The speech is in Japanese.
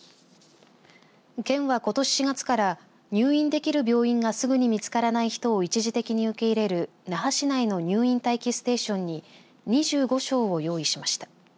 県は、ことし４月から入院できる病院がすぐに見つからない人を一時的に受け入れる那覇市内の入院待機ステーションに２５床を用意しました。